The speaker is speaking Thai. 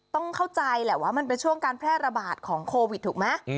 ต้องเข้าใจแหละว่ามันเป็นช่วงการแพร่ระบาดของโควิดถูกไหม